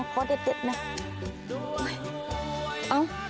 อ้าว